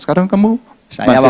sekarang kamu mahasiswa